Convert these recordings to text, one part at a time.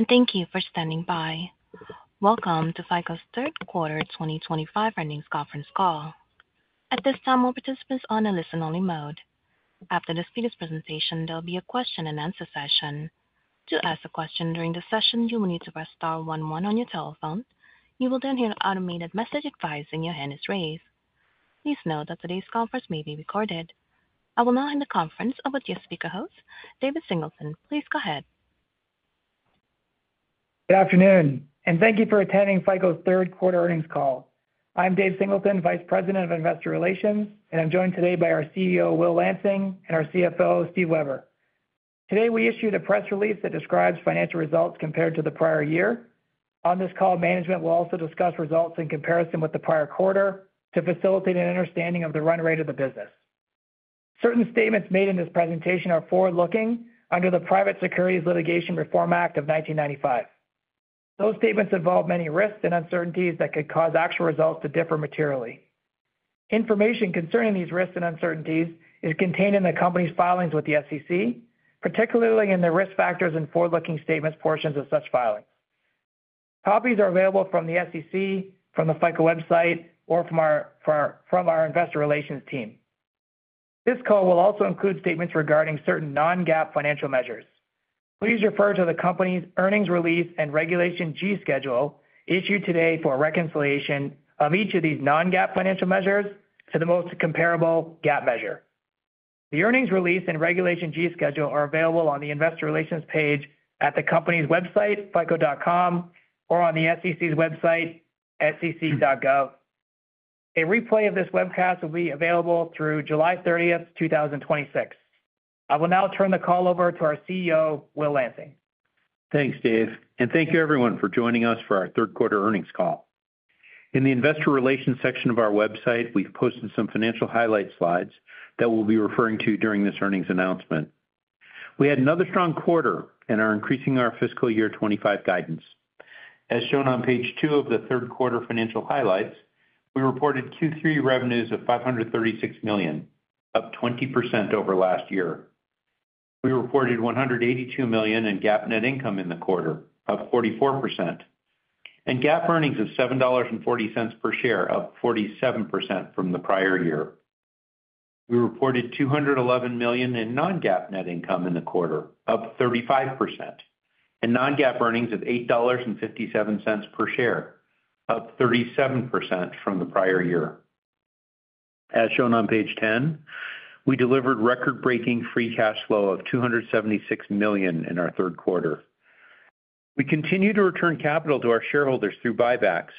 Today, and thank you for standing by. Welcome to FICO's Third Quarter 2025 earnings conference call. At this time, all participants are on a listen-only mode. After this speaker's presentation, there will be a question-and-answer session. To ask a question during the session, you will need to press star one one on your telephone. You will then hear an automated message advising your hand is raised. Please note that today's conference may be recorded. I will now hand the conference over to your speaker host, Dave Singleton. Please go ahead. Good afternoon, and thank you for attending FICO's Third Quarter earnings call. I'm Dave Singleton, Vice President of Investor Relations, and I'm joined today by our CEO, Will Lansing, and our CFO, Steve Weber. Today, we issued a press release that describes financial results compared to the prior year. On this call, management will also discuss results in comparison with the prior quarter to facilitate an understanding of the run rate of the business. Certain statements made in this presentation are forward-looking under the Private Securities Litigation Reform Act of 1995. Those statements involve many risks and uncertainties that could cause actual results to differ materially. Information concerning these risks and uncertainties is contained in the company's filings with the SEC, particularly in the risk factors and forward-looking statements portions of such filings. Copies are available from the SEC, from the FICO website, or from our investor relations team. This call will also include statements regarding certain non-GAAP financial measures. Please refer to the company's earnings release and Regulation G schedule issued today for reconciliation of each of these non-GAAP financial measures to the most comparable GAAP measure. The earnings release and Regulation G schedule are available on the Investor Relations page at the company's website, fico.com, or on the SEC's website, sec.gov. A replay of this webcast will be available through July 30, 2026. I will now turn the call over to our CEO, Will Lansing. Thanks, Dave, and thank you, everyone, for joining us for our third quarter earnings call. In the Investor Relations section of our website, we've posted some financial highlight slides that we'll be referring to during this earnings announcement. We had another strong quarter and are increasing our fiscal year 2025 guidance. As shown on page two of the third quarter financial highlights, we reported Q3 revenues of $536 million, up 20% over last year. We reported $182 million in GAAP net income in the quarter, up 44%, and GAAP earnings of $7.40 per share, up 47% from the prior year. We reported $211 million in non-GAAP net income in the quarter, up 35%, and non-GAAP earnings of $8.57 per share, up 37% from the prior year. As shown on page 10, we delivered record-breaking free cash flow of $276 million in our third quarter. We continue to return capital to our shareholders through buybacks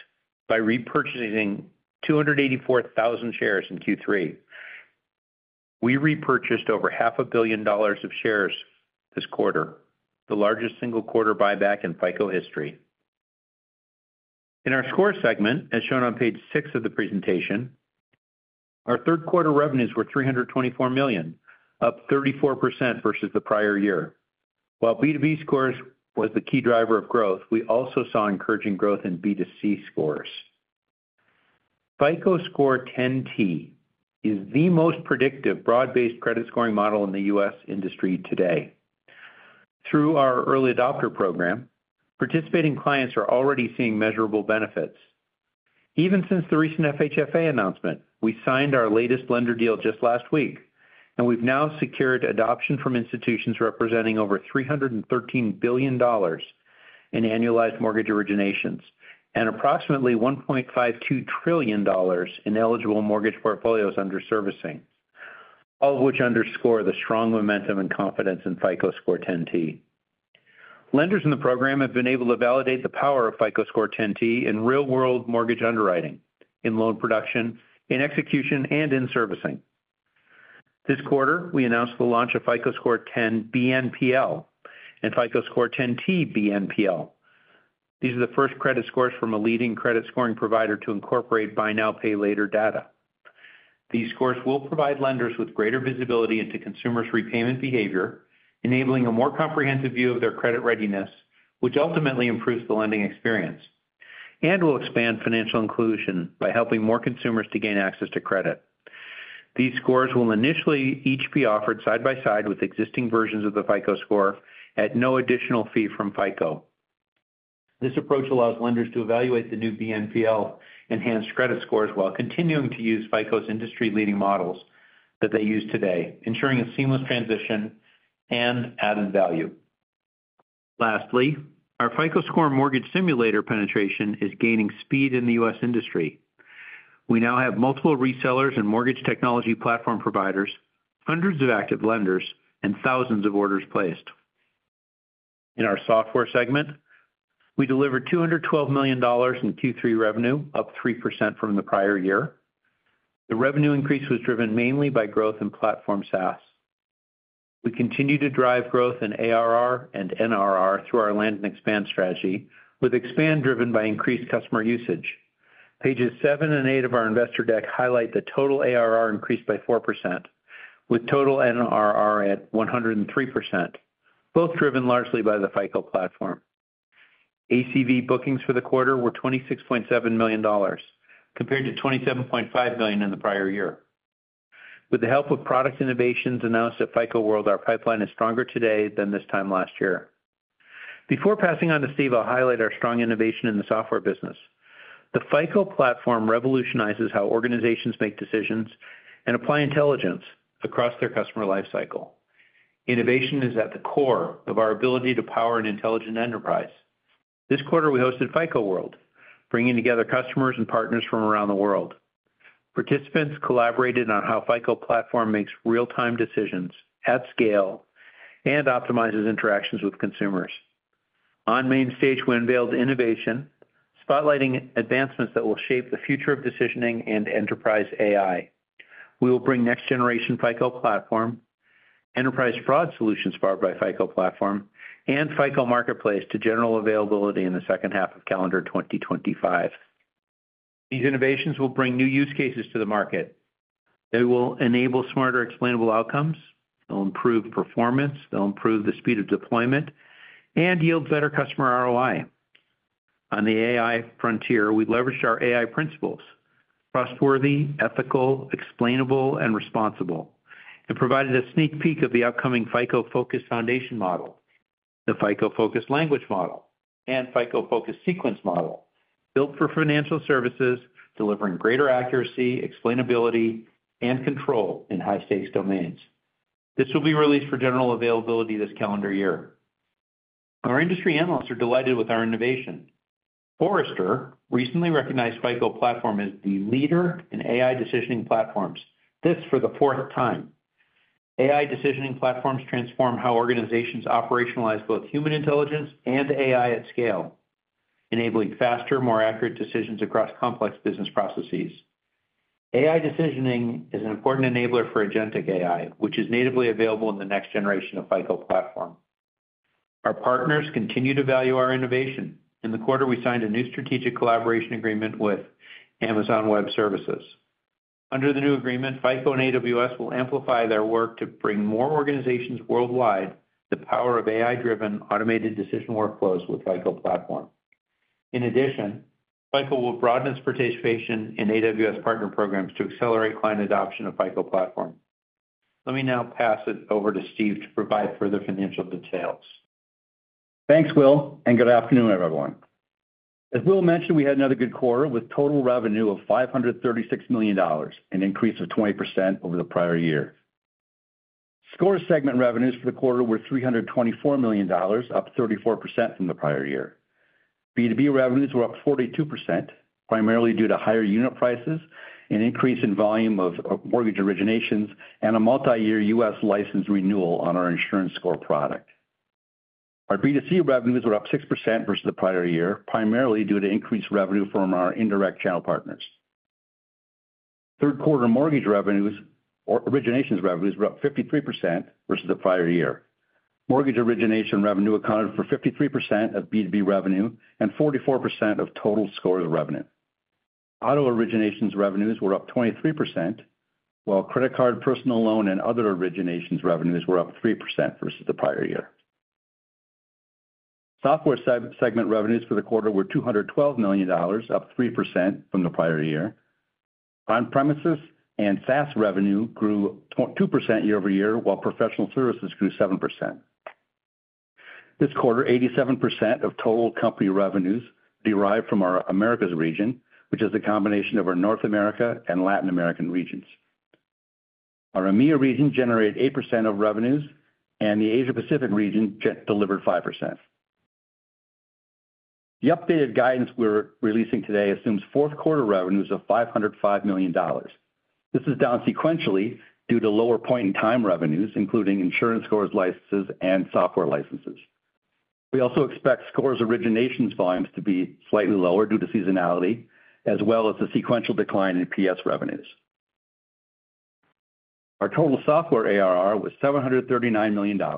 by repurchasing 284,000 shares in Q3. We repurchased over half a billion dollars of shares this quarter, the largest single quarter buyback in FICO history. In our Score segment, as shown on page six of the presentation, our third quarter revenues were $324 million, up 34% versus the prior year. While B2B scores were the key driver of growth, we also saw encouraging growth in B2C scores. FICO Score 10 T is the most predictive broad-based credit scoring model in the U.S. industry today. Through our early adopter program, participating clients are already seeing measurable benefits. Even since the recent FHFA announcement, we signed our latest lender deal just last week, and we've now secured adoption from institutions representing over $313 billion in annualized mortgage originations and approximately $1.52 trillion in eligible mortgage portfolios under servicing, all of which underscore the strong momentum and confidence in FICO Score 10 T. Lenders in the program have been able to validate the power of FICO Score 10 T in real-world mortgage underwriting, in loan production, in execution, and in servicing. This quarter, we announced the launch of FICO Score 10 BNPL and FICO Score 10 T BNPL. These are the first credit scores from a leading credit scoring provider to incorporate Buy Now, Pay Later data. These scores will provide lenders with greater visibility into consumers' repayment behavior, enabling a more comprehensive view of their credit readiness, which ultimately improves the lending experience and will expand financial inclusion by helping more consumers to gain access to credit. These scores will initially each be offered side by side with existing versions of the FICO Score at no additional fee from FICO. This approach allows lenders to evaluate the new BNPL enhanced credit scores while continuing to use FICO's industry-leading models that they use today, ensuring a seamless transition and added value. Lastly, our FICO Score Mortgage simulator penetration is gaining speed in the U.S. industry. We now have multiple resellers and mortgage technology platform providers, hundreds of active lenders, and thousands of orders placed. In our software segment, we delivered $212 million in Q3 revenue, up 3% from the prior year. The revenue increase was driven mainly by growth in platform SaaS. We continue to drive growth in ARR and NRR through our Land-and-Expand Strategy, with expand driven by increased customer usage. Pages seven and eight of our investor deck highlight the total ARR increased by 4%, with total NRR at 103%, both driven largely by the FICO Platform. ACV bookings for the quarter were $26.7 million, compared to $27.5 million in the prior year. With the help of product innovations announced at FICO World, our pipeline is stronger today than this time last year. Before passing on to Steve, I'll highlight our strong innovation in the software business. The FICO Platform revolutionizes how organizations make decisions and apply intelligence across their customer lifecycle. Innovation is at the core of our ability to power an intelligent enterprise. This quarter, we hosted FICO World, bringing together customers and partners from around the world. Participants collaborated on how FICO Platform makes real-time decisions at scale and optimizes interactions with consumers. On Main Stage, we unveiled innovation, spotlighting advancements that will shape the future of decisioning and enterprise AI. We will bring next-generation FICO Platform, enterprise fraud solutions powered by FICO Platform, and FICO Marketplace to general availability in the second half of calendar 2025. These innovations will bring new use cases to the market. They will enable smarter, explainable outcomes. They'll improve performance. They'll improve the speed of deployment and yield better customer ROI. On the AI frontier, we leveraged our AI principles: trustworthy, ethical, explainable, and responsible, and provided a sneak peek of the upcoming FICO Focus Foundation Model, the FICO Focus Language Model, and FICO Focus Sequence Model, built for financial services, delivering greater accuracy, explainability, and control in high-stakes domains. This will be released for general availability this calendar year. Our industry analysts are delighted with our innovation. Forrester recently recognized FICO Platform as the leader in AI decisioning platforms, this for the fourth time. AI decisioning platforms transform how organizations operationalize both human intelligence and AI at scale, enabling faster, more accurate decisions across complex business processes. AI decisioning is an important enabler for agentic AI, which is natively available in the next generation of FICO Platform. Our partners continue to value our innovation. In the quarter, we signed a new strategic collaboration agreement with Amazon Web Services. Under the new agreement, FICO and Amazon Web Services will amplify their work to bring more organizations worldwide the power of AI-driven automated decision workflows with FICO Platform. In addition, FICO will broaden its participation in Amazon Web Services partner programs to accelerate client adoption of FICO Platform. Let me now pass it over to Steve to provide further financial details. Thanks, Will, and good afternoon, everyone. As Will mentioned, we had another good quarter with total revenue of $536 million, an increase of 20% over the prior year. Score segment revenues for the quarter were $324 million, up 34% from the prior year. B2B revenues were up 42%, primarily due to higher unit prices, an increase in volume of mortgage originations, and a multi-year U.S. license renewal on our insurance score product. Our B2C revenues were up 6% versus the prior year, primarily due to increased revenue from our indirect channel partners. Third quarter mortgage originations revenues were up 53% versus the prior year. Mortgage origination revenue accounted for 53% of B2B revenue and 44% of total scores revenue. Auto originations revenues were up 23%, while credit card, personal loan, and other originations revenues were up 3% versus the prior year. Software segment revenues for the quarter were $212 million, up 3% from the prior year. On-premises and SaaS revenue grew 2% year-over-year, while professional services grew 7%. This quarter, 87% of total company revenues derived from our Americas region, which is a combination of our North America and Latin American regions. Our EMEA region generated 8% of revenues, and the Asia-Pacific region delivered 5%. The updated guidance we're releasing today assumes fourth quarter revenues of $505 million. This is down sequentially due to lower point-in-time revenues, including insurance scores, licenses, and software licenses. We also expect scores originations volumes to be slightly lower due to seasonality, as well as the sequential decline in PS revenues. Our total software ARR was $739 million, a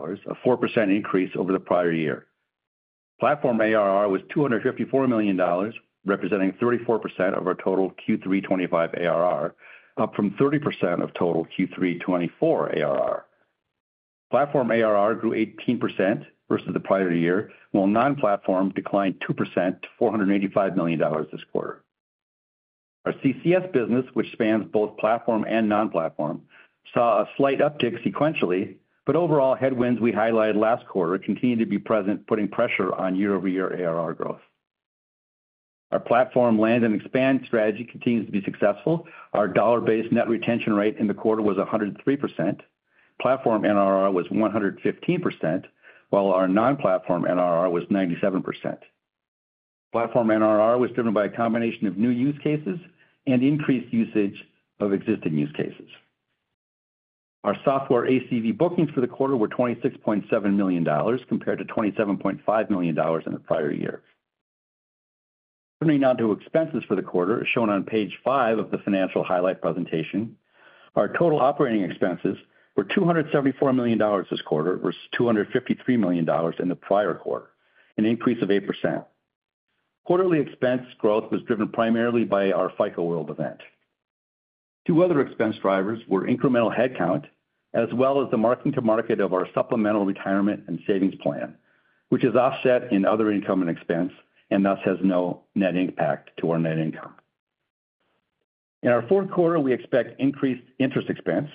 4% increase over the prior year. Platform ARR was $254 million, representing 34% of our total Q3 2025 ARR, up from 30% of total Q3 2024 ARR. Platform ARR grew 18% versus the prior year, while non-platform declined 2% to $485 million this quarter. Our CCS business, which spans both platform and non-platform, saw a slight uptick sequentially, but overall headwinds we highlighted last quarter continued to be present, putting pressure on year-over-year ARR growth. Our platform Land-and-Expand Strategy continues to be successful. Our dollar-based net retention rate in the quarter was 103%. Platform NRR was 115%, while our non-platform NRR was 97%. Platform NRR was driven by a combination of new use cases and increased usage of existing use cases. Our software ACV bookings for the quarter were $26.7 million, compared to $27.5 million in the prior year. Turning now to expenses for the quarter, as shown on page five of the financial highlight presentation, our total operating expenses were $274 million this quarter versus $253 million in the prior quarter, an increase of 8%. Quarterly expense growth was driven primarily by our FICO World event. Two other expense drivers were incremental headcount, as well as the marking to market of our supplemental retirement and savings plan, which is offset in other income and expense, and thus has no net impact to our net income. In our fourth quarter, we expect increased interest expense.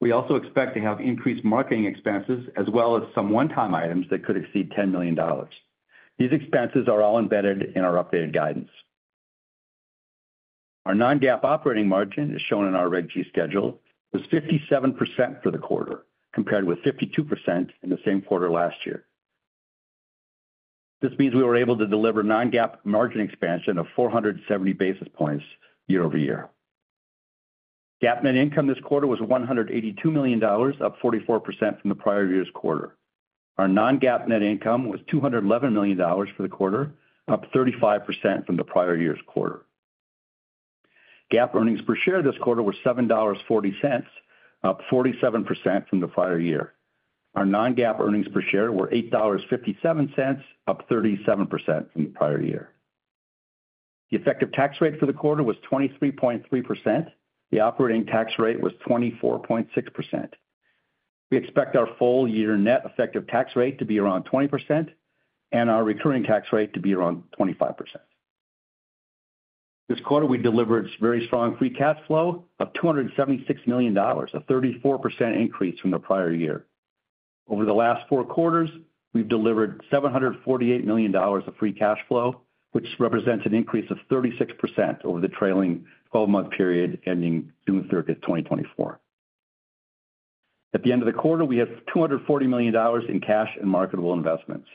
We also expect to have increased marketing expenses, as well as some one-time items that could exceed $10 million. These expenses are all embedded in our updated guidance. Our non-GAAP operating margin, as shown in our Reg G schedule, was 57% for the quarter, compared with 52% in the same quarter last year. This means we were able to deliver non-GAAP margin expansion of 470 basis points year-over-year. GAAP net income this quarter was $182 million, up 44% from the prior year's quarter. Our non-GAAP net income was $211 million for the quarter, up 35% from the prior year's quarter. GAAP earnings per share this quarter were $7.40, up 47% from the prior year. Our non-GAAP earnings per share were $8.57, up 37% from the prior year. The effective tax rate for the quarter was 23.3%. The operating tax rate was 24.6%. We expect our full year net effective tax rate to be around 20% and our recurring tax rate to be around 25%. This quarter, we delivered very strong free cash flow of $276 million, a 34% increase from the prior year. Over the last four quarters, we've delivered $748 million of free cash flow, which represents an increase of 36% over the trailing 12-month period ending June 30, 2024. At the end of the quarter, we have $240 million in cash and marketable investments.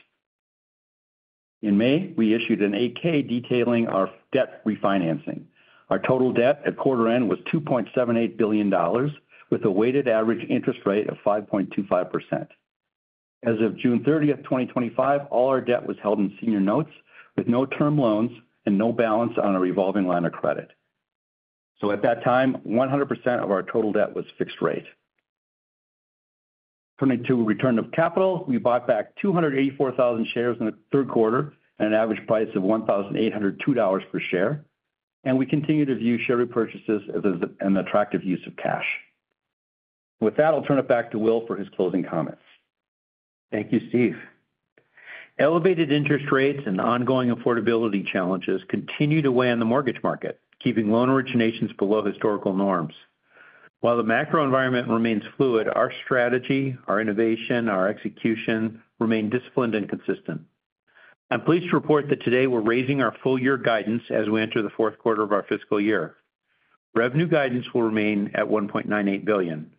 In May, we issued an 8-K detailing our debt refinancing. Our total debt at quarter end was $2.78 billion, with a weighted average interest rate of 5.25%. As of June 30, 2025, all our debt was held in senior notes, with no term loans and no balance on a revolving line of credit. At that time, 100% of our total debt was fixed rate. Turning to return of capital, we bought back 284,000 shares in the third quarter at an average price of $1,802 per share, and we continue to view share repurchases as an attractive use of cash. With that, I'll turn it back to Will for his closing comments. Thank you, Steve. Elevated interest rates and ongoing affordability challenges continue to weigh on the mortgage market, keeping loan originations below historical norms. While the macro environment remains fluid, our strategy, our innovation, our execution remain disciplined and consistent. I'm pleased to report that today we're raising our full year guidance as we enter the fourth quarter of our fiscal year. Revenue guidance will remain at $1.98 billion.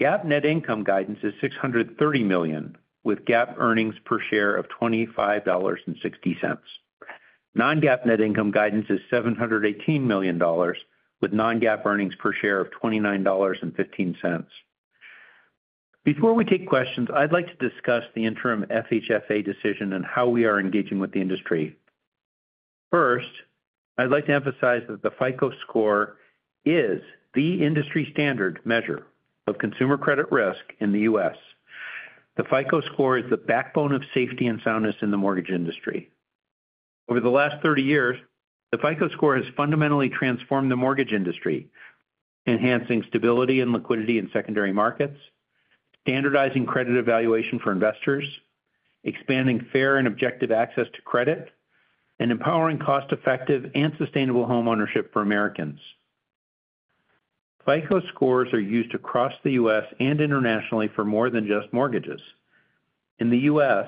GAAP net income guidance is $630 million, with GAAP earnings per share of $25.60. Non-GAAP net income guidance is $718 million, with non-GAAP earnings per share of $29.15. Before we take questions, I'd like to discuss the interim FHFA decision and how we are engaging with the industry. First, I'd like to emphasize that the FICO Score is the industry standard measure of consumer credit risk in the U.S. The FICO Score is the backbone of safety and soundness in the mortgage industry. Over the last 30 years, the FICO Score has fundamentally transformed the mortgage industry, enhancing stability and liquidity in secondary markets, standardizing credit evaluation for investors, expanding fair and objective access to credit, and empowering cost-effective and sustainable homeownership for Americans. FICO Scores are used across the U.S. and internationally for more than just mortgages. In the U.S.,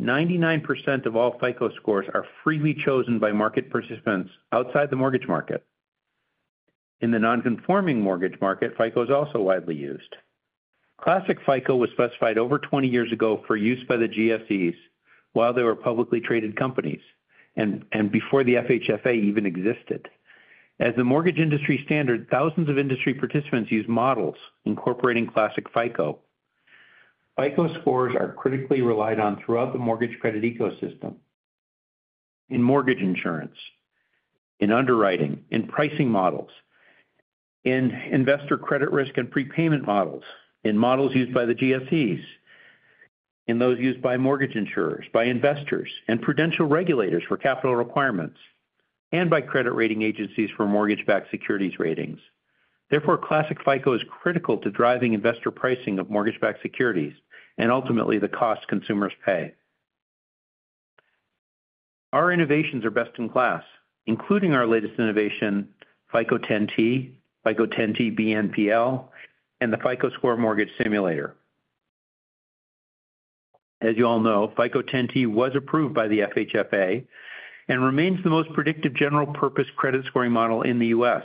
99% of all FICO Scores are freely chosen by market participants outside the mortgage market. In the non-conforming mortgage market, FICO is also widely used. Classic FICO was specified over 20 years ago for use by the GSEs while they were publicly traded companies and before the FHFA even existed. As the mortgage industry standard, thousands of industry participants use models incorporating Classic FICO. FICO Scores are critically relied on throughout the mortgage credit ecosystem. In mortgage insurance, in underwriting, in pricing models, in investor credit risk and prepayment models, in models used by the GSEs, in those used by mortgage insurers, by investors, and prudential regulators for capital requirements, and by credit rating agencies for mortgage-backed securities ratings. Therefore, classic FICO is critical to driving investor pricing of mortgage-backed securities and ultimately the cost consumers pay. Our innovations are best in class, including our latest innovation, FICO Score 10 T, FICO Score 10 T BNPL, and the FICO Score Mortgage Simulator. As you all know, FICO Score 10 T was approved by the FHFA and remains the most predictive general-purpose credit scoring model in the U.S.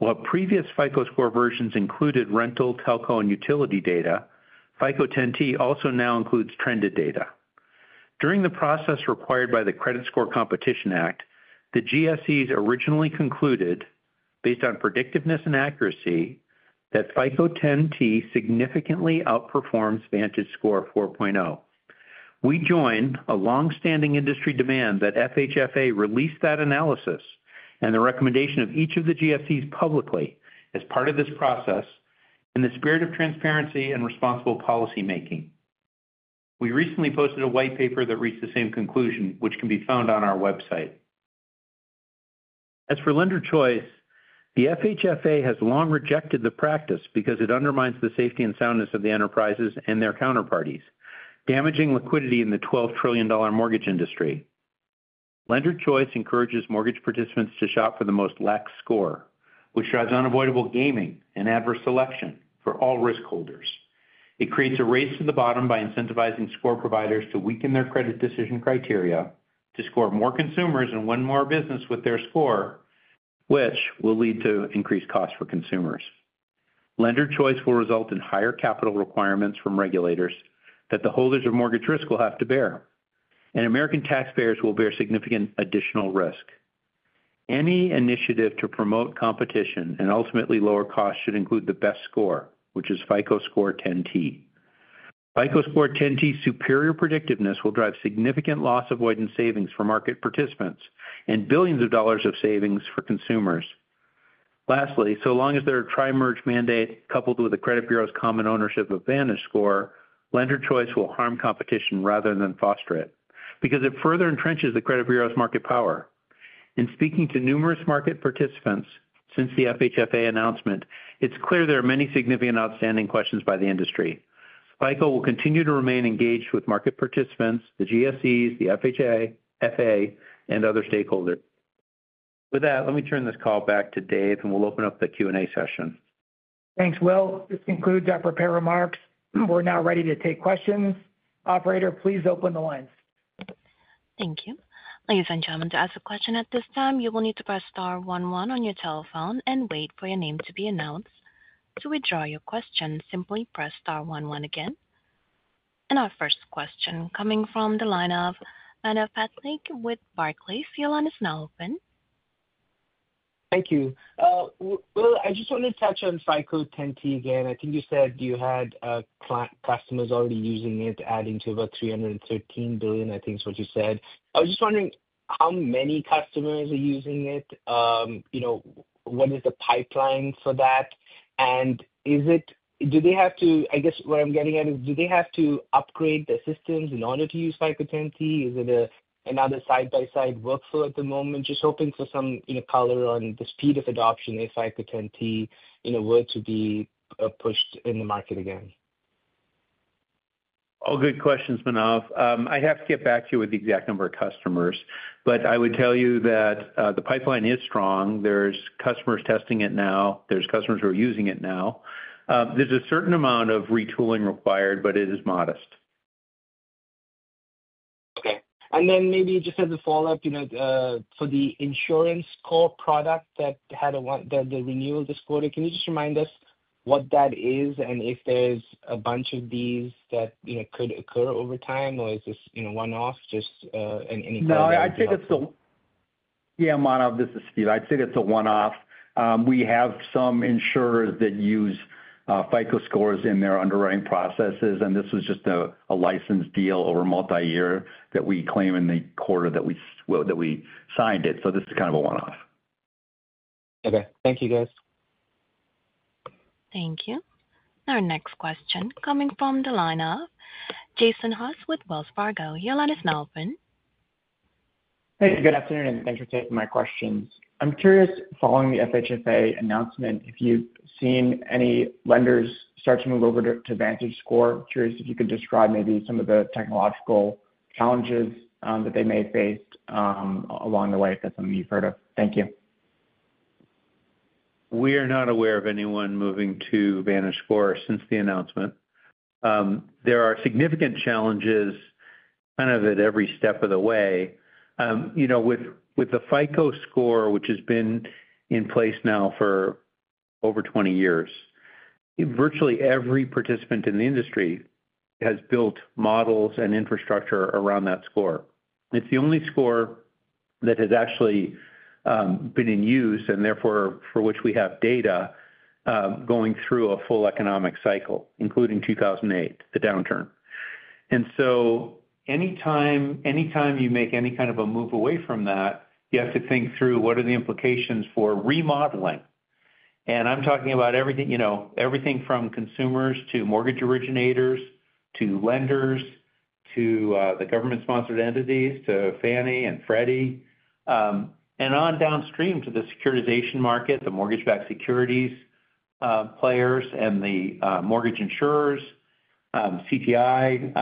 While previous FICO Score versions included rental, telco, and utility data, FICO Score 10 T also now includes trended data. During the process required by the Credit Score Competition Act, the GSEs originally concluded, based on predictiveness and accuracy, that FICO 10 T significantly outperforms VantageScore 4.0. We join a long-standing industry demand that FHFA release that analysis and the recommendation of each of the GSEs publicly as part of this process in the spirit of transparency and responsible policymaking. We recently posted a white paper that reached the same conclusion, which can be found on our website. As for lender choice, the FHFA has long rejected the practice because it undermines the safety and soundness of the enterprises and their counterparties, damaging liquidity in the $12 trillion mortgage industry. Lender choice encourages mortgage participants to shop for the most lax score, which drives unavoidable gaming and adverse selection for all risk holders. It creates a race to the bottom by incentivizing score providers to weaken their credit decision criteria to score more consumers and win more business with their score, which will lead to increased costs for consumers. Lender choice will result in higher capital requirements from regulators that the holders of mortgage risk will have to bear, and American taxpayers will bear significant additional risk. Any initiative to promote competition and ultimately lower costs should include the best score, which is FICO Score 10 T. FICO Score 10 T's superior predictiveness will drive significant loss avoidance savings for market participants and billions of dollars of savings for consumers. Lastly, so long as there are tri-merge mandates coupled with the credit bureau's common ownership of VantageScore, lender choice will harm competition rather than foster it because it further entrenches the credit bureau's market power. In speaking to numerous market participants since the FHFA announcement, it's clear there are many significant outstanding questions by the industry. FICO will continue to remain engaged with market participants, the GSEs, the FHFA, and other stakeholders. With that, let me turn this call back to Dave, and we'll open up the Q&A session. Thanks, Will. This concludes our prepared remarks. We're now ready to take questions. Operator, please open the lines. Thank you. Ladies and gentlemen, to ask a question at this time, you will need to press star one one on your telephone and wait for your name to be announced. To withdraw your question, simply press star one again. Our first question is coming from the line of Manav Patnaik with Barclays. The line is now open. Thank you. Will, I just want to touch FICO Score 10 T again. I think you said you had customers already using it, adding to about $313 billion, I think is what you said. I was just wondering how many customers are using it. What is the pipeline for that? Do they have to, I guess what I'm getting at is, do they have to upgrade the systems in order to FICO Score 10 T? Is it another side-by-side workflow at the moment? Just hoping for some color on the speed of adoption FICO Score 10 T were to be pushed in the market again. All good questions, Manav. I have to get back to you with the exact number of customers, but I would tell you that the pipeline is strong. There are customers testing it now. There are customers who are using it now. There is a certain amount of retooling required, but it is modest. Okay. Maybe just as a follow-up, for the insurance core product that had the renewal this quarter, can you just remind us what that is and if there's a bunch of these that could occur over time, or is this one-off, just any kind of? I'd say that's a one-off. We have some insurers that use FICO Scores in their underwriting processes, and this was just a license deal over multi-year that we claim in the quarter that we signed it. This is kind of a one-off. Okay. Thank you, guys. Thank you. Our next question coming from the line of Jason Haas with Wells Fargo, your line is now open. Hey, good afternoon, and thanks for taking my questions. I'm curious, following the FHFA announcement, if you've seen any lenders start to move over to VantageScore. Curious if you could describe maybe some of the technological challenges that they may have faced along the way if that's something you've heard of. Thank you. We are not aware of anyone moving to VantageScore since the announcement. There are significant challenges at every step of the way. With the FICO Score, which has been in place now for over 20 years, virtually every participant in the industry has built models and infrastructure around that score. It's the only score that has actually been in use and therefore for which we have data going through a full economic cycle, including 2008, the downturn. Anytime you make any kind of a move away from that, you have to think through what are the implications for remodeling. I'm talking about everything from consumers to mortgage originators to lenders to the government-sponsored entities to Fannie and Freddie, and downstream to the securitization market, the mortgage-backed securities players, and the mortgage insurers, CTI,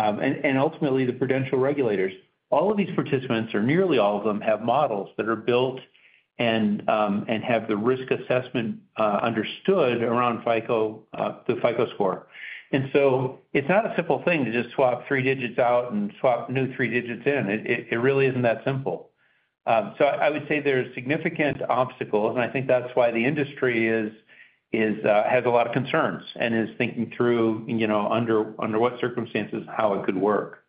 and ultimately the prudential regulators. All of these participants, or nearly all of them, have models that are built and have the risk assessment understood around the FICO Score. It's not a simple thing to just swap three digits out and swap new three digits in. It really isn't that simple. I would say there are significant obstacles, and I think that's why the industry has a lot of concerns and is thinking through under what circumstances how it could work.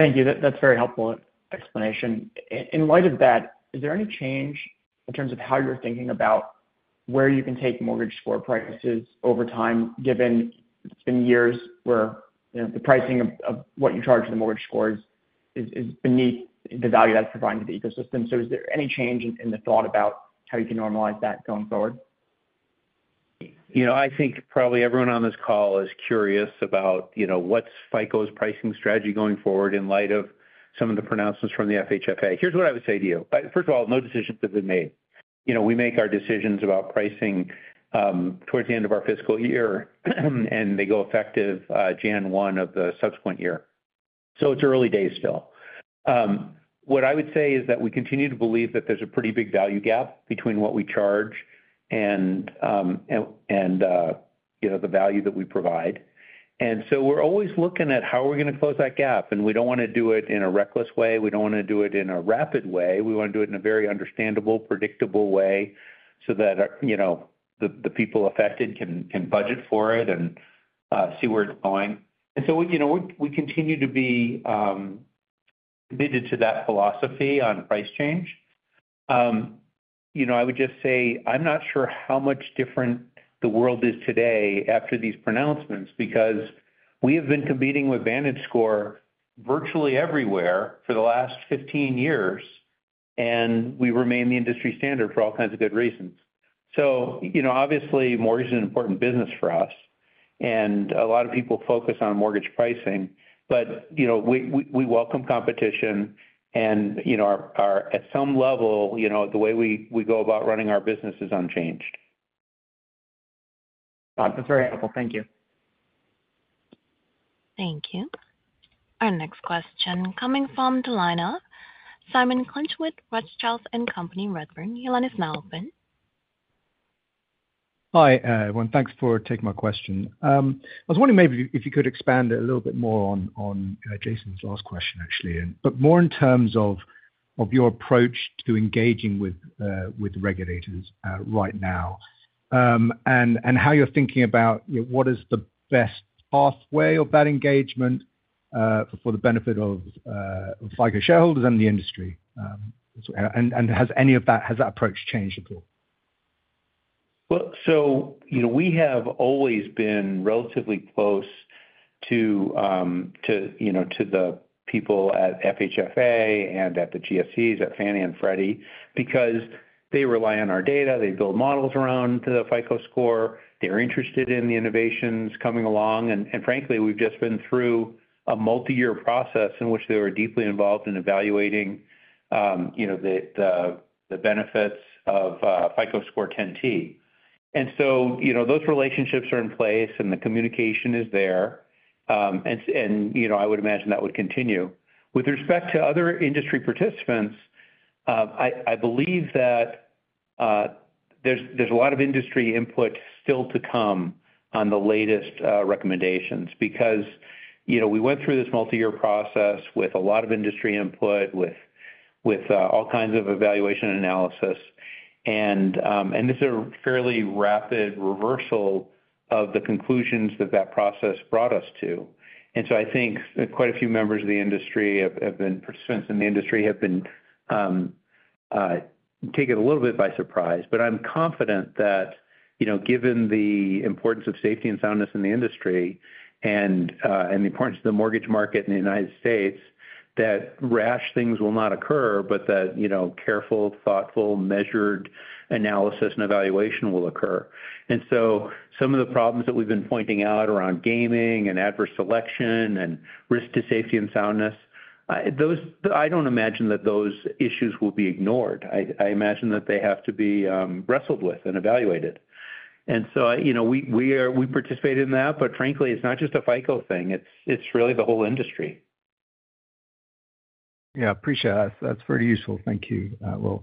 Thank you. That's a very helpful explanation. In light of that, is there any change in terms of how you're thinking about where you can take mortgage score prices over time, given it's been years where the pricing of what you charge for the mortgage scores is beneath the value that's provided to the ecosystem? Is there any change in the thought about how you can normalize that going forward? I think probably everyone on this call is curious about what's FICO's pricing strategy going forward in light of some of the pronouncements from the FHFA. Here's what I would say to you. First of all, no decisions have been made. We make our decisions about pricing towards the end of our fiscal year, and they go effective January 1 of the subsequent year. It's early days still. What I would say is that we continue to believe that there's a pretty big value gap between what we charge and the value that we provide. We're always looking at how we're going to close that gap, and we don't want to do it in a reckless way. We don't want to do it in a rapid way. We want to do it in a very understandable, predictable way so that the people affected can budget for it and see where it's going. We continue to be committed to that philosophy on price change. I would just say I'm not sure how much different the world is today after these pronouncements because we have been competing with VantageScore virtually everywhere for the last 15 years, and we remain the industry standard for all kinds of good reasons. Obviously, mortgage is an important business for us, and a lot of people focus on mortgage pricing. We welcome competition. At some level, the way we go about running our business is unchanged. That's very helpful. Thank you. Thank you. Our next question coming from the line of Simon Clinch with Rothschild & Co Redburn. Hi, everyone. Thanks for taking my question. I was wondering if you could expand a little bit more on Jason's last question, actually, more in terms of your approach to engaging with regulators right now and how you're thinking about what is the best pathway of that engagement for the benefit of FICO shareholders and the industry. Has that approach changed at all? have always been relatively close to the people at the FHFA and at the GSEs, at Fannie and Freddie, because they rely on our data. They build models around the FICO Score. They're interested in the innovations coming along. Frankly, we've just been through a multi-year process in which they were deeply involved in evaluating the benefits of FICO Score 10 T. Those relationships are in place, and the communication is there. I would imagine that would continue. With respect to other industry participants, I believe that there's a lot of industry input still to come on the latest recommendations because we went through this multi-year process with a lot of industry input, with all kinds of evaluation analysis. This is a fairly rapid reversal of the conclusions that that process brought us to. I think quite a few members of the industry have been participants in the industry and have been taken a little bit by surprise. I'm confident that given the importance of safety and soundness in the industry and the importance of the mortgage market in the U.S., rash things will not occur, but careful, thoughtful, measured analysis and evaluation will occur. Some of the problems that we've been pointing out around gaming and adverse selection and risk to safety and soundness, I don't imagine that those issues will be ignored. I imagine that they have to be wrestled with and evaluated. We participate in that, but frankly, it's not just a FICO thing. It's really the whole industry. Yeah, appreciate that. That's very useful. Thank you, Will.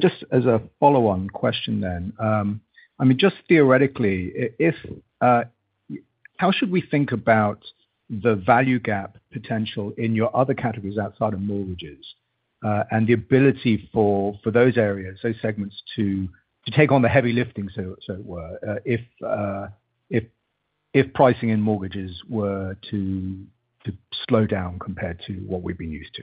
Just as a follow-on question then, I mean, just theoretically, how should we think about the value gap potential in your other categories outside of mortgages and the ability for those areas, those segments to take on the heavy lifting, so it were, if pricing in mortgages were to slow down compared to what we've been used to?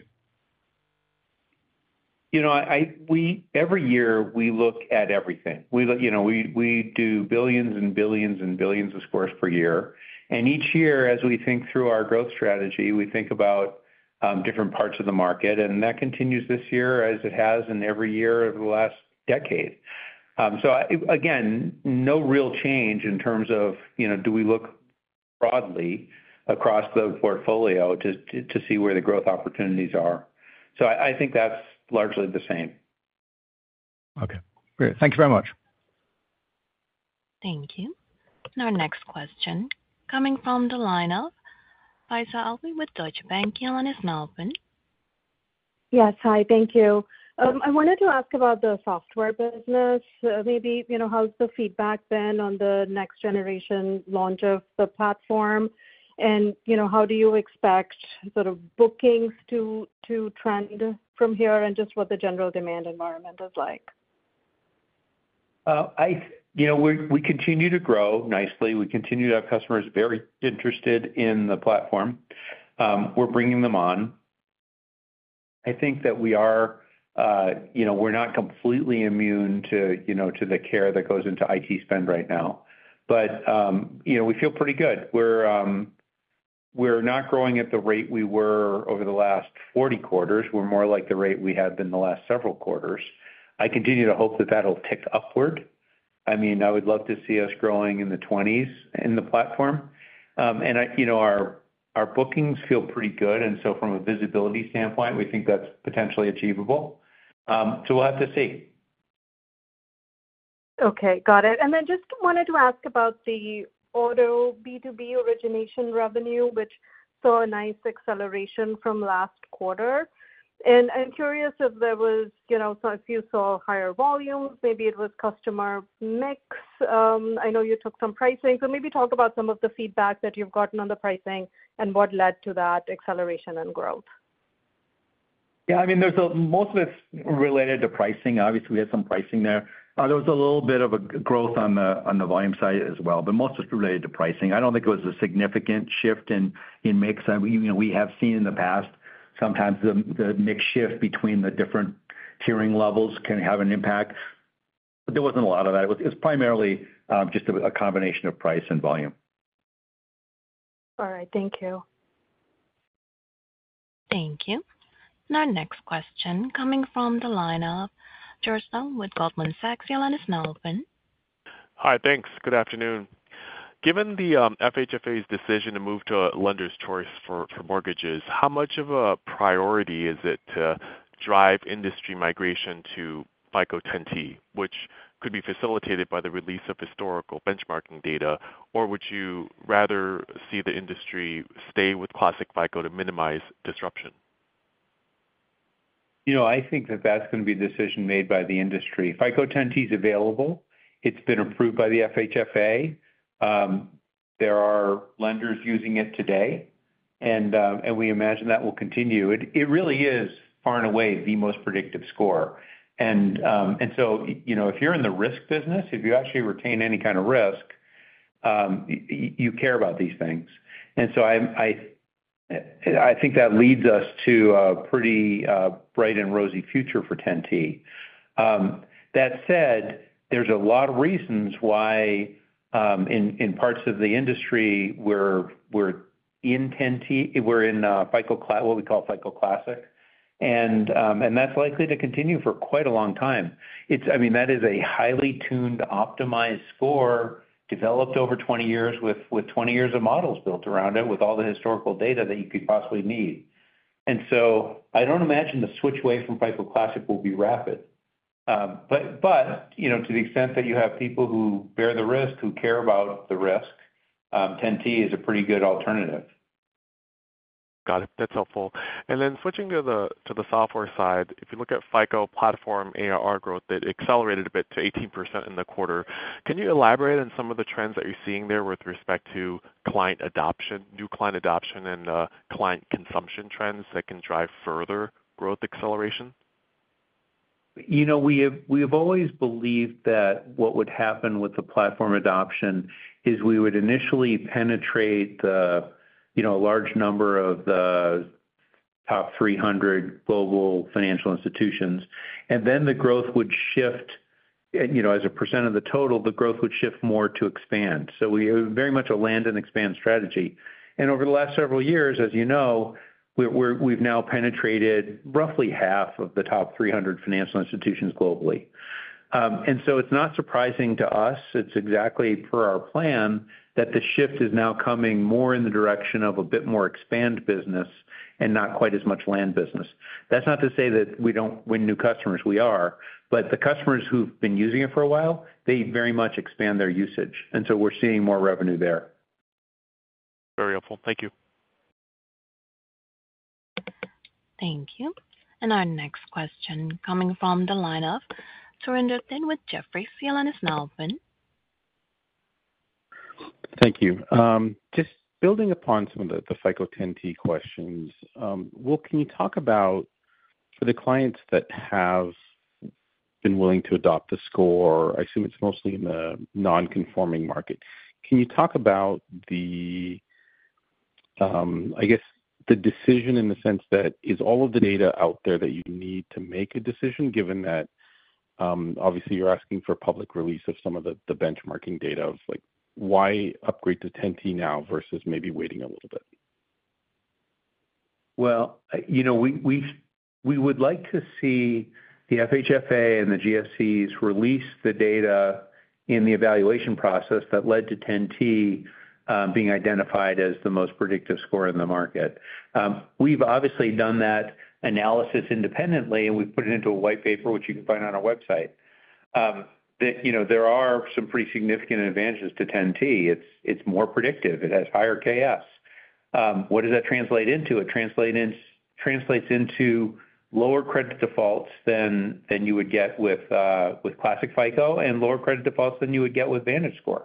Every year, we look at everything. We do billions and billions and billions of scores per year. Each year, as we think through our growth strategy, we think about different parts of the market. That continues this year as it has in every year over the last decade. No real change in terms of do we look broadly across the portfolio to see where the growth opportunities are. I think that's largely the same. Okay. Great. Thank you very much. Thank you. Our next question coming from the line of Faiza Alwy with Deutsche Bank, your line is now open. Yes, hi. Thank you. I wanted to ask about the software business. Maybe how's the feedback been on the next-generation launch of the platform? How do you expect sort of bookings to trend from here and just what the general demand environment is like? We continue to grow nicely. We continue to have customers very interested in the platform. We're bringing them on. I think that we are not completely immune to the care that goes into IT spend right now. We feel pretty good. We're not growing at the rate we were over the last 40 quarters. We're more like the rate we had in the last several quarters. I continue to hope that that'll tick upward. I mean, I would love to see us growing in the 20s in the platform. Our bookings feel pretty good. From a visibility standpoint, we think that's potentially achievable. We'll have to see. Okay. Got it. I just wanted to ask about the auto B2B origination revenue, which saw a nice acceleration from last quarter. I'm curious if you saw higher volumes, maybe it was customer mix. I know you took some pricing. Maybe talk about some of the feedback that you've gotten on the pricing and what led to that acceleration in growth. Yeah. I mean, most of it's related to pricing. Obviously, we had some pricing there. There was a little bit of a growth on the volume side as well, but most of it's related to pricing. I don't think it was a significant shift in mix. We have seen in the past sometimes the mix shift between the different tiering levels can have an impact. There wasn't a lot of that. It was primarily just a combination of price and volume. All right. Thank you. Thank you. Our next question coming from the line of George Tong with Goldman Sachs, your line is now open. Hi, thanks. Good afternoon. Given the FHFA's decision to move to a lender's choice for mortgages, how much of a priority is it to drive industry migration FICO Score 10 T, which could be facilitated by the release of historical benchmarking data, or would you rather see the industry stay with classic FICO to minimize disruption? I think that that's going to be a decision made by the FICO Score 10 T is available. It's been approved by the FHFA. There are lenders using it today. We imagine that will continue. It really is, far and away, the most predictive score. If you're in the risk business, if you actually retain any kind of risk, you care about these things. I think that leads us to a pretty bright and rosy future 10 T. That said, there's a lot of reasons why in parts of the industry we're in what we call FICO Classic, and that's likely to continue for quite a long time. I mean, that is a highly tuned, optimized score developed over 20 years with 20 years of models built around it with all the historical data that you could possibly need. I don't imagine the switch away from FICO Classic will be rapid. To the extent that you have people who bear the risk, who care about FICO Score 10 T is a pretty good alternative. Got it. That's helpful. Switching to the software side, if you look at FICO Platform ARR growth, that accelerated a bit to 18% in the quarter. Can you elaborate on some of the trends that you're seeing there with respect to new client adoption and client consumption trends that can drive further growth acceleration? We have always believed that what would happen with the platform adoption is we would initially penetrate a large number of the top 300 global financial institutions, and then the growth would shift. As a percentage of the total, the growth would shift more to expand. We have very much a Land-and-Expand Strategy. Over the last several years, as you know, we've now penetrated roughly half of the top 300 financial institutions globally, and it's not surprising to us. It's exactly per our plan that the shift is now coming more in the direction of a bit more expand business and not quite as much land business. That's not to say that we don't win new customers. We are, but the customers who've been using it for a while, they very much expand their usage, and we're seeing more revenue there. Very helpful. Thank you. Thank you. Our next question coming from the line of Surinder Thind with Jefferies, your line is now open. Thank you. Just building upon some of FICO 10 T questions, Will, can you talk about, for the clients that have been willing to adopt the score? I assume it's mostly in the non-conforming market. Can you talk about, I guess, the decision in the sense that is all of the data out there that you need to make a decision, given that obviously you're asking for public release of some of the benchmarking data of why upgrade 10 T now versus maybe waiting a little bit? We would like to see the FHFA and the GSEs release the data in the evaluation process that 10 T being identified as the most predictive score in the market. We've obviously done that analysis independently, and we've put it into a white paper, which you can find on our website. There are some pretty significant 10 T. It's more predictive. It has higher KS. What does that translate into? It translates into lower credit defaults than you would get with Classic FICO and lower credit defaults than you would get with VantageScore.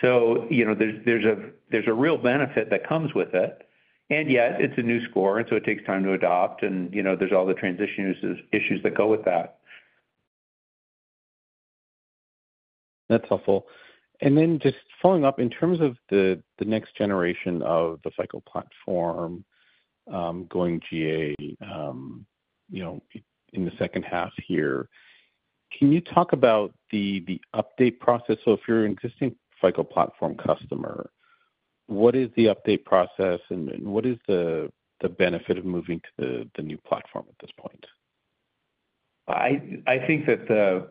There's a real benefit that comes with it. Yet, it's a new score, and it takes time to adopt. There are all the transition issues that go with that. That's helpful. In terms of the next generation of the FICO Platform going GA in the second half here, can you talk about the update process? If you're an existing FICO Platform customer, what is the update process, and what is the benefit of moving to the new platform at this point? I think the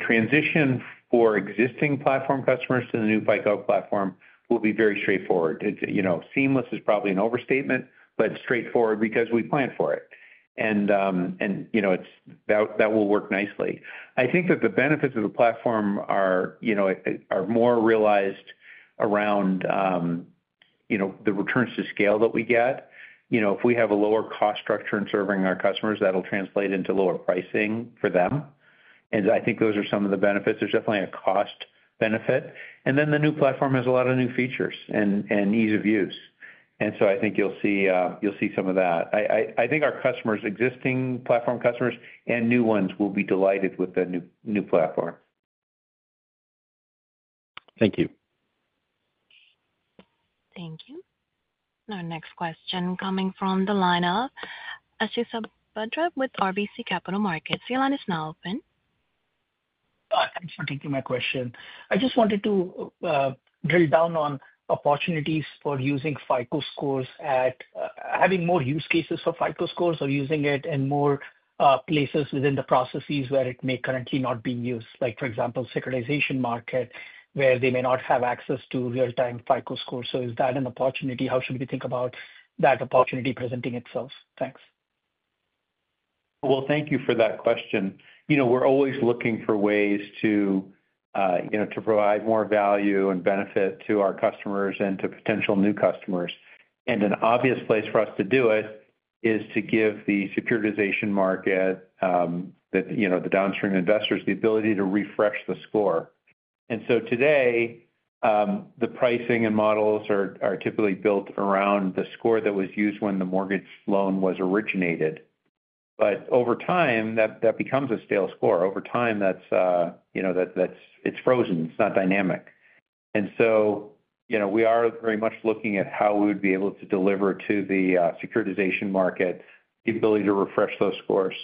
transition for existing platform customers to the new FICO Platform will be very straightforward. Seamless is probably an overstatement, but straightforward because we planned for it. That will work nicely. I think the benefits of the platform are more realized around the returns to scale that we get. If we have a lower cost structure in serving our customers, that'll translate into lower pricing for them. I think those are some of the benefits. There's definitely a cost benefit. The new platform has a lot of new features and ease of use, so I think you'll see some of that. I think our customers, existing platform customers and new ones, will be delighted with the new platform. Thank you. Thank you. Our next question coming from the line of Ashish Sabadra with RBC Capital Markets, your line is now open. I'm sorry. Can you repeat my question? I just wanted to drill down on opportunities for using FICO Scores, having more use cases for FICO Scores, or using it in more places within the processes where it may currently not be used, like for example, securitization market, where they may not have access to real-time FICO Scores. Is that an opportunity? How should we think about that opportunity presenting itself? Thanks. Thank you for that question. We're always looking for ways to provide more value and benefit to our customers and to potential new customers. An obvious place for us to do it is to give the securitization market, the downstream investors, the ability to refresh the score. Today, the pricing and models are typically built around the score that was used when the mortgage loan was originated. Over time, that becomes a stale score. Over time, it's frozen. It's not dynamic. We are very much looking at how we would be able to deliver to the securitization market the ability to refresh those scores.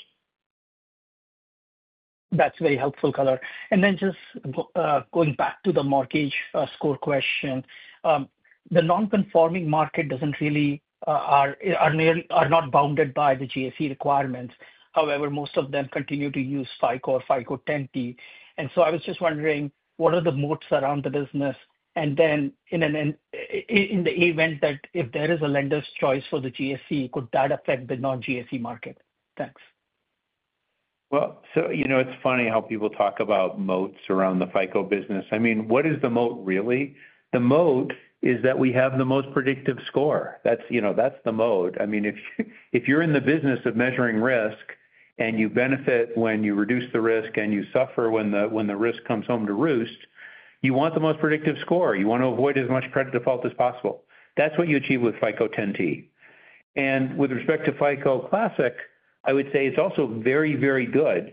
That's very helpful, Color. Just going back to the mortgage score question, the non-conforming market doesn't really, are not bounded by the GSE requirements. However, most of them continue to use FICO or FICO Score 10 T. I was just wondering, what are the moats around the business? In the event that if there is a lender's choice for the GSE, could that affect the non-GSE market? Thanks. It's funny how people talk about moats around the FICO business. I mean, what is the moat really? The moat is that we have the most predictive score. That's the moat. I mean, if you're in the business of measuring risk and you benefit when you reduce the risk and you suffer when the risk comes home to roost, you want the most predictive score. You want to avoid as much credit default as possible. That's what you achieve with FICO Score 10 T. With respect to FICO Classic, I would say it's also very, very good.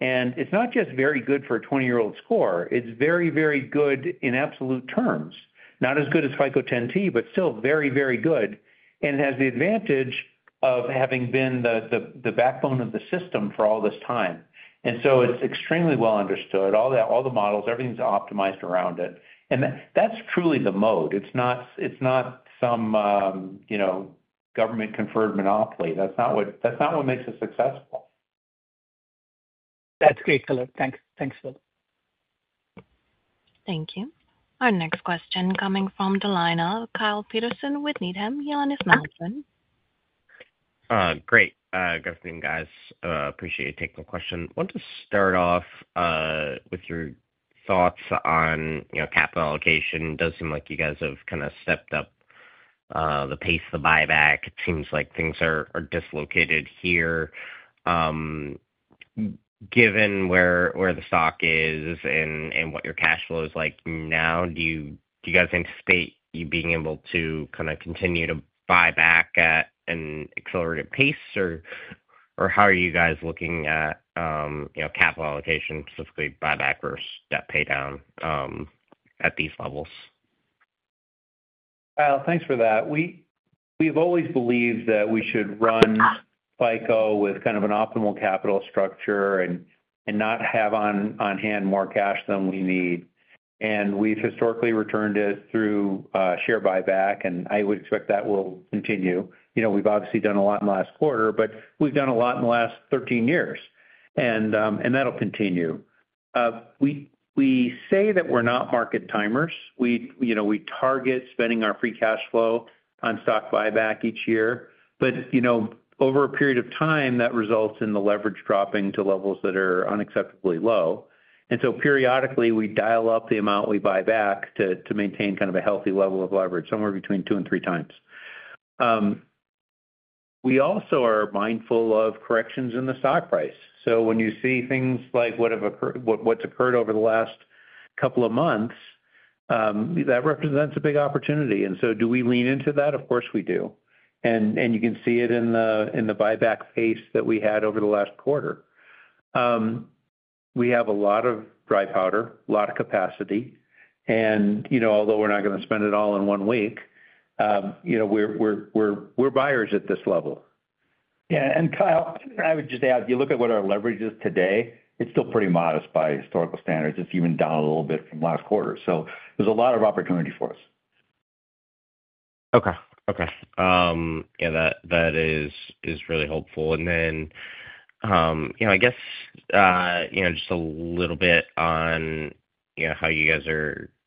It's not just very good for a 20-year-old score. It's very, very good in absolute terms. Not as good FICO Score 10 T, but still very, very good. It has the advantage of having been the backbone of the system for all this time, so it's extremely well understood. All the models, everything's optimized around it. That's truly the moat. It's not some government-conferred monopoly. That's not what makes us successful. That's great, color. Thanks, Will. Thank you. Our next question coming from the line of Kyle Peterson with Needham. Great. Good afternoon, guys. Appreciate you taking the question. I want to start off with your thoughts on capital allocation. It does seem like you guys have kind of stepped up the pace of the buyback. It seems like things are dislocated here. Given where the stock is and what your cash flow is like now, do you guys anticipate you being able to kind of continue to buy back at an accelerated pace? How are you guys looking at capital allocation, specifically buyback versus debt paydown at these levels? Thank you for that. We've always believed that we should run FICO with kind of an optimal capital structure and not have on hand more cash than we need. We've historically returned it through share buyback, and I would expect that will continue. We've obviously done a lot in the last quarter, but we've done a lot in the last 13 years, and that'll continue. We say that we're not market timers. We target spending our free cash flow on stock buyback each year. Over a period of time, that results in the leverage dropping to levels that are unacceptably low, and periodically, we dial up the amount we buy back to maintain kind of a healthy level of leverage, somewhere between two and three times. We also are mindful of corrections in the stock price. When you see things like what's occurred over the last couple of months, that represents a big opportunity. Do we lean into that? Of course we do, and you can see it in the buyback pace that we had over the last quarter. We have a lot of dry powder, a lot of capacity, and although we're not going to spend it all in one week, we're buyers at this level. Yeah, Kyle, I would just add, if you look at what our leverage is today, it's still pretty modest by historical standards. It's even down a little bit from last quarter. There's a lot of opportunity for us. Okay. Yeah, that is really helpful. I guess just a little bit on how you guys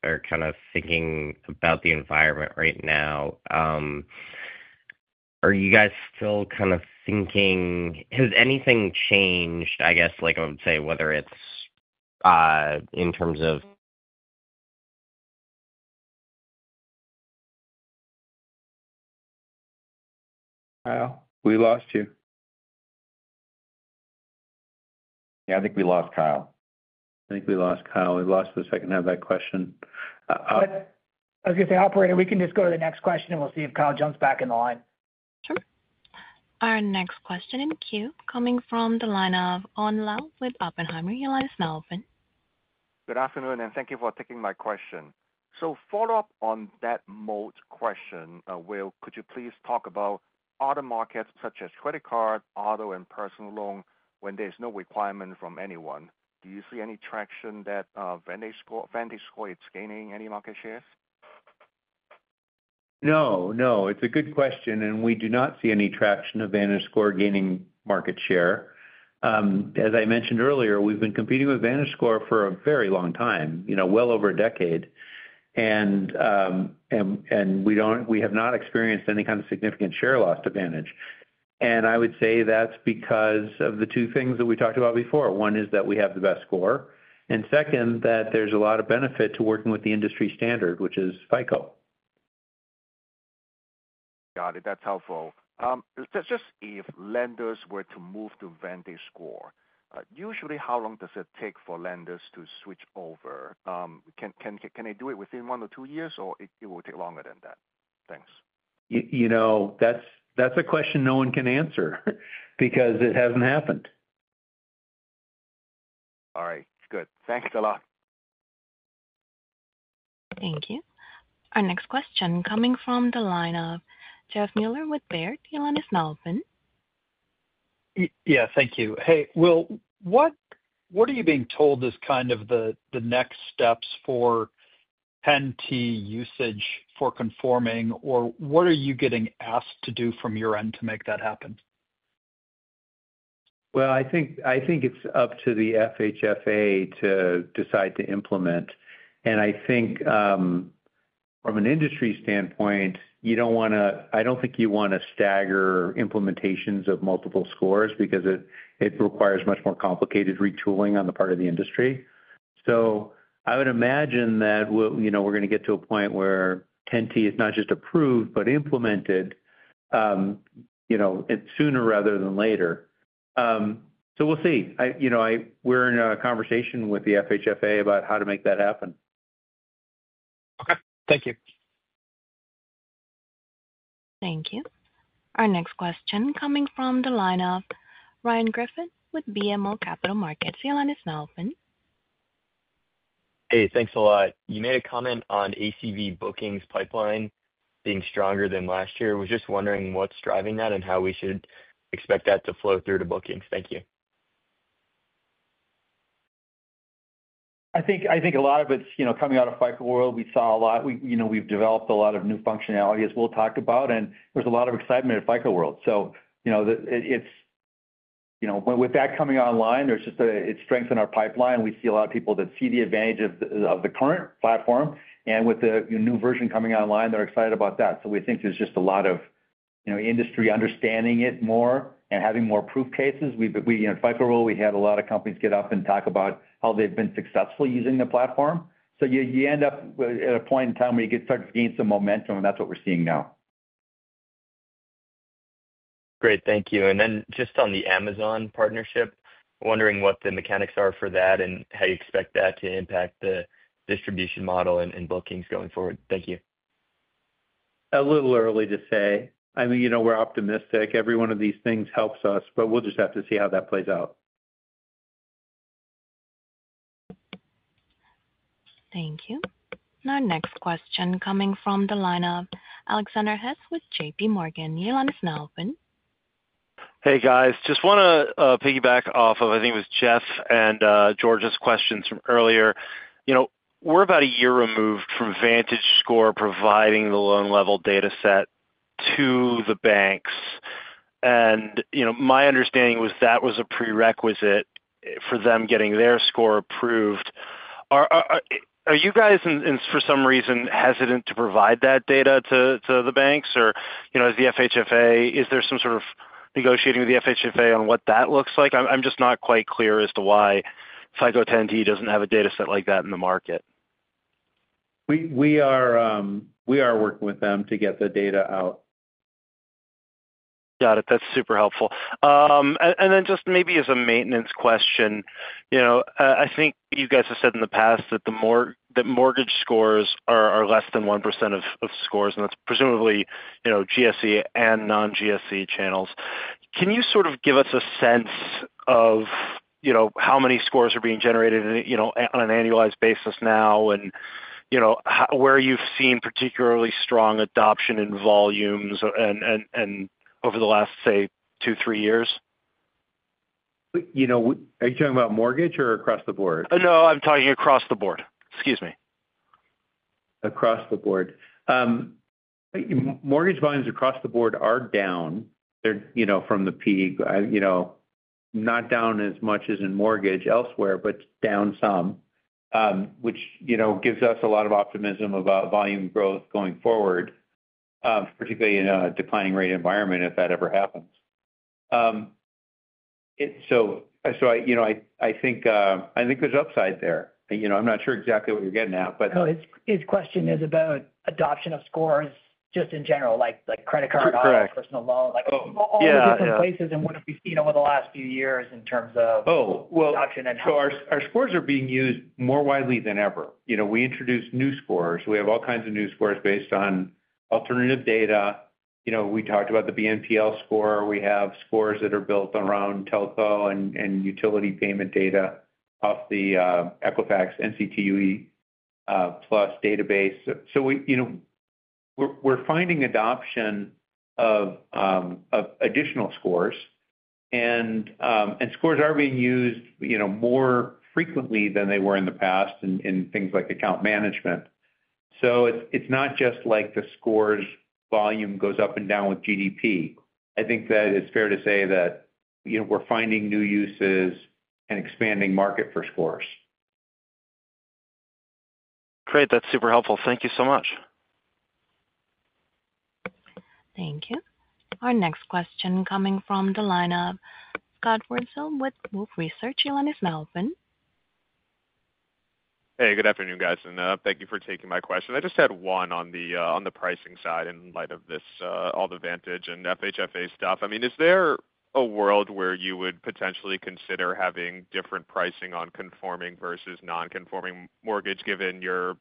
are kind of thinking about the environment right now. Are you guys still kind of thinking? Has anything changed, I guess, like I would say, whether it's in terms of. Kyle? We lost you. I think we lost Kyle. I think we lost Kyle. We lost for the second half of that question. I was going to say, Operator, we can just go to the next question, and we'll see if Kyle jumps back in the line. Sure. Our next question in queue coming from the line of Owen Lau with Oppenheimer, your line is now open. Good afternoon, and thank you for taking my question. To follow up on that moat question, Will, could you please talk about other markets such as credit card, auto, and personal loan when there's no requirement from anyone? Do you see any traction that VantageScore is gaining any market shares? No, it's a good question. We do not see any traction of VantageScore gaining market share. As I mentioned earlier, we've been competing with VantageScore for a very long time, well over a decade. We have not experienced any kind of significant share loss to VantageScore. I would say that's because of the two things that we talked about before. One is that we have the best score, and second, that there's a lot of benefit to working with the industry standard, which is FICO. Got it. That's helpful. If lenders were to move to VantageScore, usually how long does it take for lenders to switch over? Can they do it within one or two years, or will it take longer than that? Thanks. That's a question no one can answer because it hasn't happened. All right. Good, thanks a lot. Thank you. Our next question coming from the line of Jeff Meuler with Baird, your line is now open. Thank you. Hey, Will, what are you being told as kind of the next steps for 10 T usage for conforming, or what are you getting asked to do from your end to make that happen? I think it's up to the FHFA to decide to implement. From an industry standpoint, you don't want to, I don't think you want to stagger implementations of multiple scores because it requires much more complicated retooling on the part of the industry. I would imagine that we're going to get to a 10 T is not just approved but implemented sooner rather than later. We'll see. We're in a conversation with the FHFA about how to make that happen. Okay, thank you. Thank you. Our next question coming from the line of Ryan Griffin with BMO Capital Markets, your line is now open. Hey, thanks a lot. You made a comment on ACV Bookings pipeline being stronger than last year. I was just wondering what's driving that and how we should expect that to flow through to bookings. Thank you. I think a lot of it's coming out of FICO World. We saw a lot. We've developed a lot of new functionality as Will talked about, and there's a lot of excitement at FICO World. With that coming online, it's strengthened our pipeline. We see a lot of people that see the advantage of the current platform, and with the new version coming online, they're excited about that. We think there's just a lot of industry understanding it more and having more proof cases. In FICO World, we had a lot of companies get up and talk about how they've been successful using the platform. You end up at a point in time where you start to gain some momentum, and that's what we're seeing now. Great. Thank you. On the Amazon partnership, wondering what the mechanics are for that and how you expect that to impact the distribution model and bookings going forward. Thank you. A little early to say. I mean, we're optimistic. Every one of these things helps us, but we'll just have to see how that plays out. Thank you. Our next question coming from the line of Alexander Hess with JPMorgan, your line is now open. Hey, guys. Just want to piggyback off of, I think it was Jeff and George's questions from earlier. We're about a year removed from VantageScore providing the loan-level data set to the banks. My understanding was that was a prerequisite for them getting their score approved. Are you guys, for some reason, hesitant to provide that data to the banks? Is the FHFA—is there some sort of negotiating with the FHFA on what that looks like? I'm just not quite clear as to FICO 10 T doesn't have a data set like that in the market. We are working with them to get the data out. Got it. That's super helpful. Maybe as a maintenance question, I think you guys have said in the past that the mortgage scores are less than 1% of scores, and that's presumably GSE and non-GSE channels. Can you sort of give us a sense of how many scores are being generated on an annualized basis now, and where you've seen particularly strong adoption in volumes over the last, say, two, three years? Are you talking about mortgage or across the board? No, I'm talking across the board. Excuse me. Mortgage volumes across the board are down from the peak, not down as much as in mortgage elsewhere, but down some, which gives us a lot of optimism about volume growth going forward, particularly in a declining rate environment if that ever happens. I think there's upside there. I'm not sure exactly what you're getting at, but. No, his question is about adoption of scores just in general, like credit card, auto, personal loan, all the different places in one of the last few years in terms of adoption and how. Our scores are being used more widely than ever. We introduced new scores. We have all kinds of new scores based on alternative data. We talked about the BNPL score. We have scores that are built around telco and utility payment data off the Equifax NCTUE Plus database. We're finding adoption of additional scores, and scores are being used more frequently than they were in the past in things like account management. It's not just like the scores volume goes up and down with GDP. I think that it's fair to say that we're finding new uses and expanding market for scores. Great. That's super helpful. Thank you so much. Thank you. Our next question coming from the line of Scott Wurtzel with Wolfe Research, your line is now open. Hey, good afternoon, guys. Thank you for taking my question. I just had one on the pricing side in light of all the VantageScore and FHFA stuff. I mean, is there a world where you would potentially consider having different pricing on conforming versus non-conforming mortgage, given your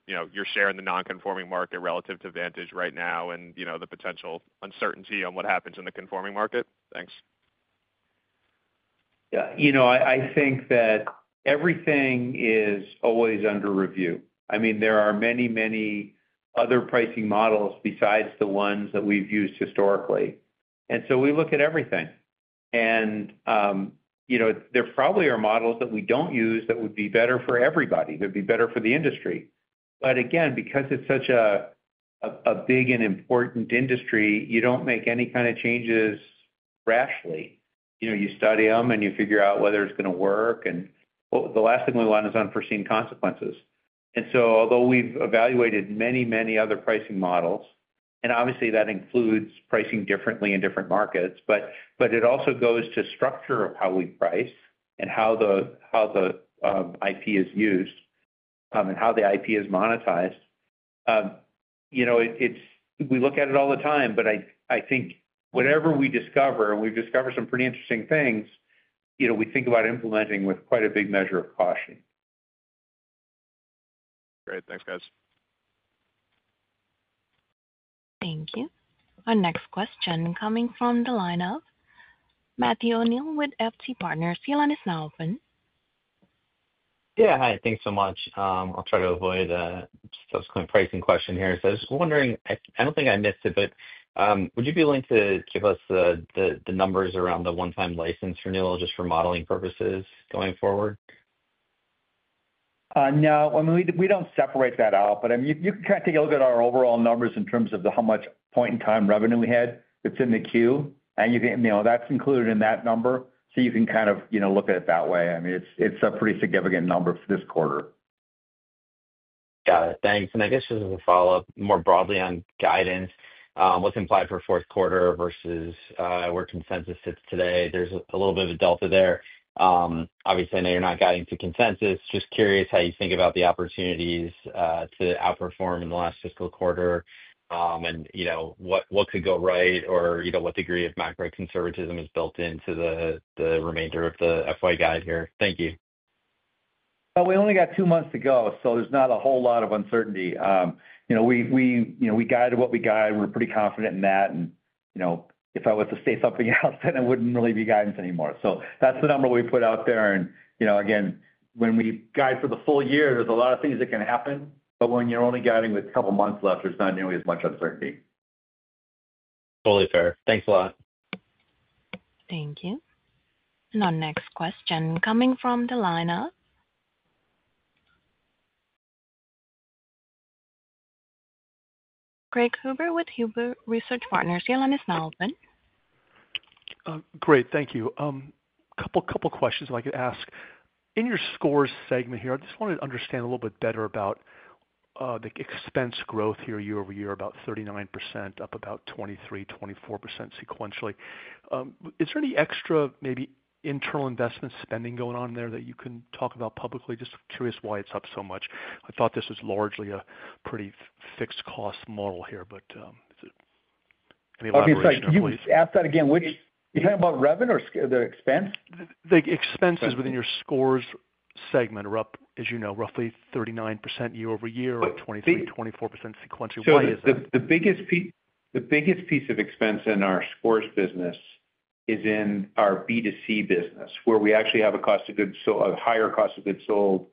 share in the non-conforming market relative to VantageScore right now and the potential uncertainty on what happens in the conforming market? Thanks. Yeah. I think that everything is always under review. I mean, there are many, many other pricing models besides the ones that we've used historically. We look at everything. There probably are models that we don't use that would be better for everybody, that would be better for the industry. Because it's such a big and important industry, you don't make any kind of changes rashly. You study them and you figure out whether it's going to work. The last thing we want is unforeseen consequences. Although we've evaluated many, many other pricing models, and obviously that includes pricing differently in different markets, it also goes to the structure of how we price and how the IP is used and how the IP is monetized. We look at it all the time, but I think whatever we discover, and we've discovered some pretty interesting things, we think about implementing with quite a big measure of caution. Great. Thanks, guys. Thank you. Our next question coming from the line of Matthew O'Neill with FT Partners. Yeah. Hi. Thanks so much. I'll try to avoid a subsequent pricing question here. I was wondering, I don't think I missed it, but would you be willing to give us the numbers around the one-time license renewal just for modeling purposes going forward? No, I mean, we don't separate that out. You can kind of take a look at our overall numbers in terms of how much point-in-time revenue we had that's in the queue, and that's included in that number. You can kind of look at it that way. I mean, it's a pretty significant number for this quarter. Got it. Thanks. Just as a follow-up, more broadly on guidance, what's implied for fourth quarter versus where consensus sits today, there's a little bit of a delta there. Obviously, I know you're not guiding to consensus. Just curious how you think about the opportunities to outperform in the last fiscal quarter. What could go right or what degree of macro-conservatism is built into the remainder of the FY guide here. Thank you. We only got two months to go, so there's not a whole lot of uncertainty. We guided what we guided. We're pretty confident in that. If I was to say something else, then it wouldn't really be guidance anymore. That's the number we put out there. Again, when we guide for the full year, there's a lot of things that can happen. When you're only guiding with a couple of months left, there's not nearly as much uncertainty. Totally fair. Thanks a lot. Thank you. Our next question is coming from the line of Craig Huber with Huber Research Partners, your line is now open. Great. Thank you. A couple of questions I'd like to ask. In your Scores segment here, I just wanted to understand a little bit better about the expense growth here year-over-year, about 39%, up about 23% or 24% sequentially. Is there any extra, maybe internal investment spending going on there that you can talk about publicly? Just curious why it's up so much. I thought this was largely a pretty fixed-cost model here. Any last question? I was going to ask that again. You're talking about revenue or the expense? The expenses within your Scores segment are up, as you know, roughly 39% year-over-year or 23% to 24% sequentially. Why is that? The biggest piece of expense in our Scores business is in our B2C business, where we actually have a cost of goods sold, a higher cost of goods sold.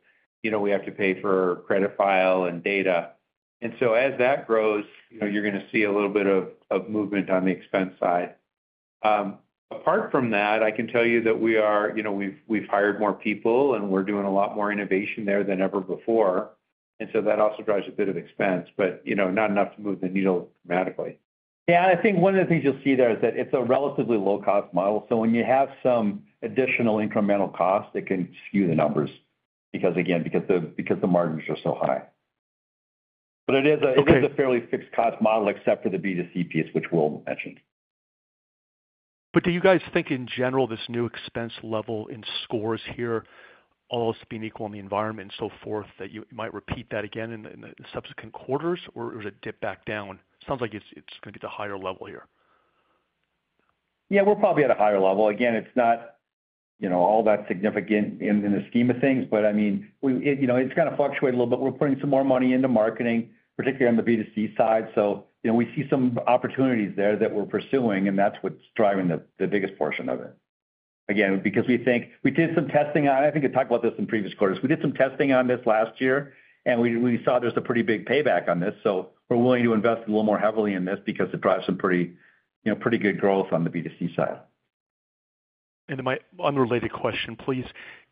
We have to pay for credit file and data, and as that grows, you're going to see a little bit of movement on the expense side. Apart from that, I can tell you that we've hired more people, and we're doing a lot more innovation there than ever before. That also drives a bit of expense, but not enough to move the needle dramatically. I think one of the things you'll see there is that it's a relatively low-cost model. When you have some additional incremental cost, it can skew the numbers because, again, the margins are so high. It is a fairly fixed-cost model except for the B2C piece, which Will mentioned. Do you guys think, in general, this new expense level in scores here almost being equal in the environment and so forth, that you might repeat that again in the subsequent quarters or does it dip back down? It sounds like it's going to get to a higher level here. Yeah. We're probably at a higher level. Again, it's not all that significant in the scheme of things, but it's going to fluctuate a little bit. We're putting some more money into marketing, particularly on the B2C side. We see some opportunities there that we're pursuing, and that's what's driving the biggest portion of it. Again, we think we did some testing on it. I think we talked about this in previous quarters. We did some testing on this last year, and we saw there's a pretty big payback on this. We're willing to invest a little more heavily in this because it drives some pretty good growth on the B2C side. My unrelated question, please.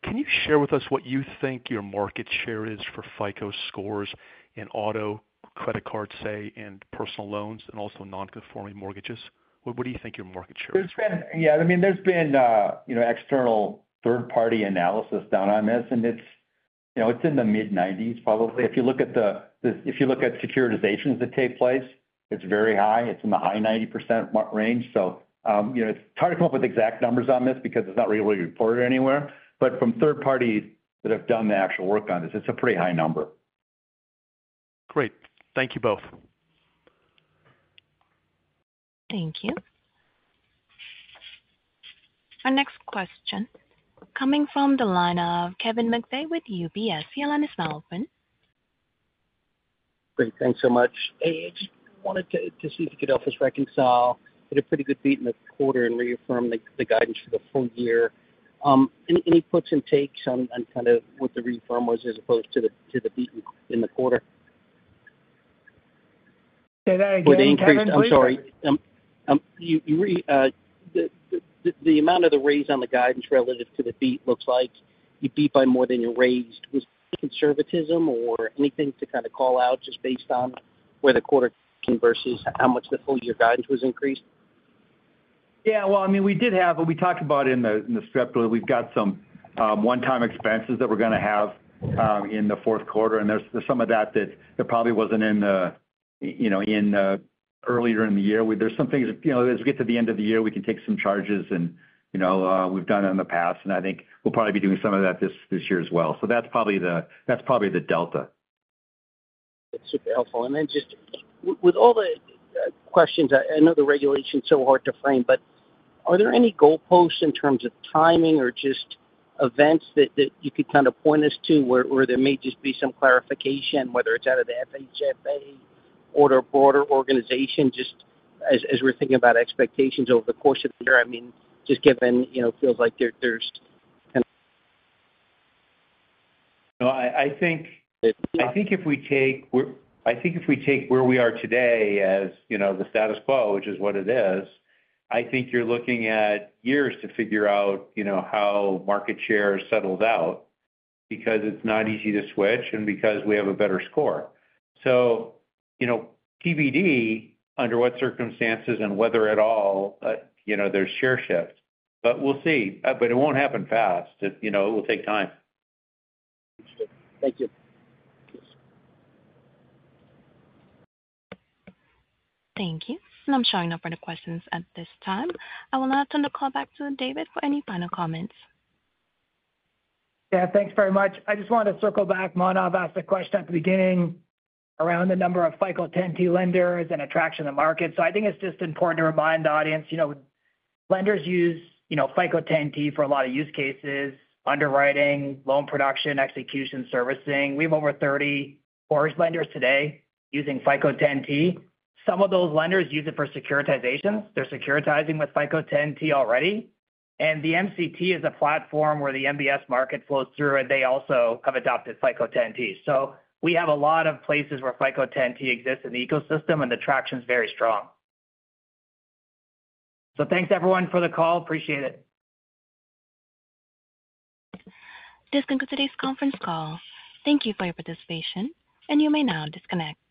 Can you share with us what you think your market share is for FICO Scores in auto, credit card, and personal loans, and also non-conforming mortgages? What do you think your market share is? Yeah. I mean, there's been external third-party analysis done on this. It's in the mid-90% range, probably. If you look at securitizations that take place, it's very high. It's in the high 90% range. It's hard to come up with exact numbers on this because it's not really reported anywhere. From third parties that have done the actual work on this, it's a pretty high number. Great. Thank you both. Thank you. Our next question coming from the line of Kevin McVeigh with UBS, your line is now open. Great. Thanks so much. Hey, I just wanted to see if you could help us reconcile at a pretty good beat in the quarter and reaffirm the guidance for the full year. Any puts and takes on kind of what the reaffirm was as opposed to the beat in the quarter? Say that again. I'm sorry. The amount of the raise on the guidance relative to the beat looks like you beat by more than you raised. Was it conservatism or anything to kind of call out just based on where the quarter came versus how much the full year guidance was increased? Yeah. I mean, we did have what we talked about in the script. We've got some one-time expenses that we're going to have in the fourth quarter. There's some of that that probably wasn't in earlier in the year. There are some things as we get to the end of the year, we can take some charges and we've done it in the past. I think we'll probably be doing some of that this year as well. That's probably the delta. That's super helpful. With all the questions, I know the regulation is so hard to frame, but are there any goalposts in terms of timing or just events that you could kind of point us to where there may just be some clarification, whether it's out of the FHFA or a broader organization, just as we're thinking about expectations over the course of the year? I mean, just given it feels like there's kind of. If we take where we are today as the status quo, which is what it is, I think you're looking at years to figure out how market share settles out because it's not easy to switch and because we have a better score. TBD, under what circumstances and whether at all there's share shift. We'll see. It won't happen fast. It will take time. Thank you. Thank you. I'm showing up for the questions at this time. I will now turn the call back to David for any final comments. Yeah. Thanks very much. I just wanted to circle back, Mona. I've asked a question at the beginning around the number FICO Score 10 T lenders and attraction of the market. I think it's just important to remind the audience. Lenders FICO Score 10 T for a lot of use cases: underwriting, loan production, execution, servicing. We have over 30 lenders today FICO Score 10 T. Some of those lenders use it for securitization. They're securitizing with FICO Score 10 T already. The MCT is a platform where the MBS market flows through, and they also have adopted FICO Score 10 T. We have a lot of places FICO Score 10 T exists in the ecosystem, and the traction is very strong. Thanks, everyone, for the call. Appreciate it. This concludes today's conference call. Thank you for your participation, and you may now disconnect. Good.